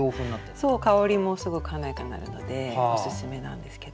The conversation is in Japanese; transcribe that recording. そう香りもすごく華やかになるのでおすすめなんですけど。